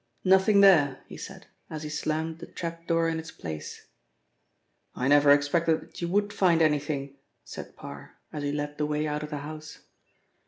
"Nothing there," he said as he slammed the trap door in its place. "I never expected that you would find anything," said Parr as he led the way out of the house.